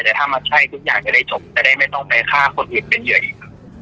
แต่ถ้ามันใช่ทุกอย่างจะได้จบจะได้ไม่ต้องไปฆ่าคนอื่นเป็นเหยื่ออีก